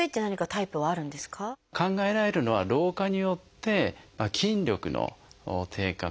考えられるのは老化によって筋力の低下